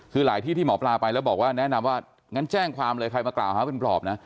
คือหลายที่ที่หมอปลาไปแล้วบอกว่าแนะนำว่างั้นแจ้งความเลยใครมากล่าวหาเป็นปลอบนะ